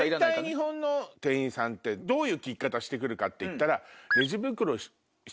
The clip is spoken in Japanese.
日本の店員さんってどういう聞き方して来るかっていったら。